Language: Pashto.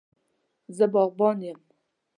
زه باغوان یم